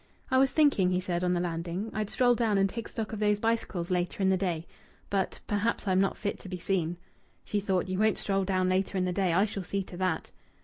"I was thinking," he said on the landing, "I'd stroll down and take stock of those bicycles later in the day. But perhaps I'm not fit to be seen." She thought: "You won't stroll down later in the day I shall see to that."